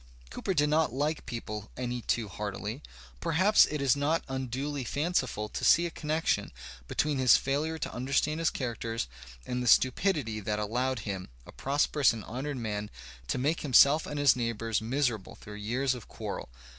Cooper did not like people any too heartily. Perhaps it is not unduly fanciful to see a connection between his failure to understand his characters and the stupidity that allowed him, a prosperous and honoured man, to make himself and his neighboims miserable through years of quarrel.